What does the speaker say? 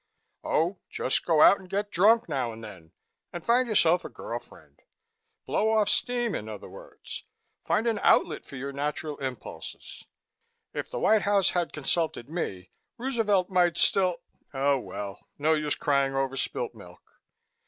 "Oh, just go out and get drunk now and then, and find yourself a girl friend. Blow off steam, in other words. Find an outlet for your natural impulses. If the White House had consulted me, Roosevelt might still Oh, well, no use crying over spilt milk.